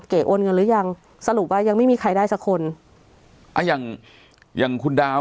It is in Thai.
โอนเงินหรือยังสรุปว่ายังไม่มีใครได้สักคนอ่าอย่างอย่างคุณดาว